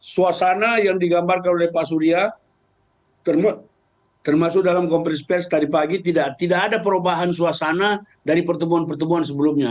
suasana yang digambarkan oleh pak surya termasuk dalam komprensi pers tadi pagi tidak ada perubahan suasana dari pertemuan pertemuan sebelumnya